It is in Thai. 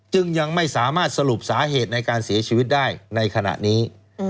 จึงยังไม่สามารถสรุปสาเหตุในการเสียชีวิตได้ในขณะนี้